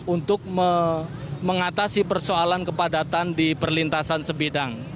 untuk mengatasi persoalan kepadatan di perlintasan sebidang